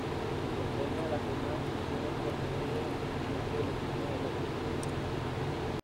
Desempeñar las demás funciones pertinentes en cumplimiento de los fines de la institución.